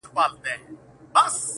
وې نارې د جاله وان شور د بلبلو.!